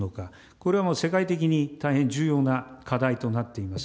これは世界的に大変重要な課題となっています。